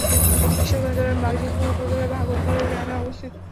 এটি কিশোরগঞ্জ জেলার বাজিতপুর উপজেলার ভাগলপুর গ্রামে অবস্থিত।